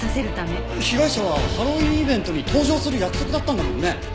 被害者はハロウィーンイベントに登場する約束だったんだもんね。